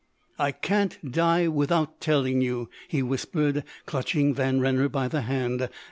"I can't die without telling you," he whispered, clutching Van Renner by the hand.